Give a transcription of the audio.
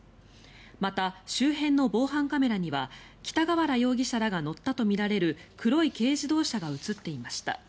また、周辺の防犯カメラには北河原容疑者らが乗ったとみられる黒い軽自動車が映っていました。